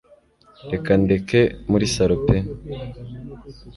Reka ndeke muri salo pe